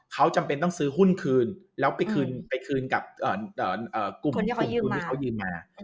เขาจำเป็นต้องซื้อหุ้นคืนแล้วไปคืนกับกลุ่ม๔ทุนที่เขายืมมา